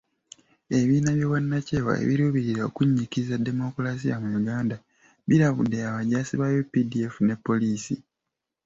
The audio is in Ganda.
Ebibiina by'obwannakyewa ebiruubirira okunnyikiza demokulaasiya mu Uganda, birabudde abajaasi ba UPDF ne Poliisi.